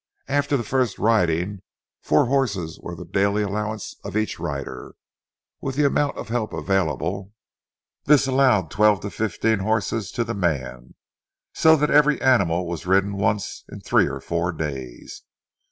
After the first riding, four horses were the daily allowance of each rider. With the amount of help available, this allowed twelve to fifteen horses to the man, so that every animal was ridden once in three or four days.